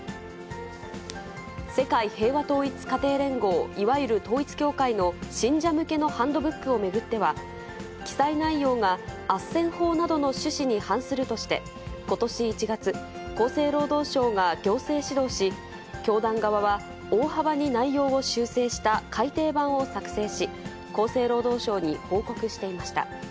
世界平和統一家庭連合、いわゆる統一教会の信者向けのハンドブックを巡っては、記載内容があっせん法などの趣旨に反するとして、ことし１月、厚生労働省が行政指導し、教団側は大幅に内容を修正した改訂版を作成し、厚生労働省に報告していました。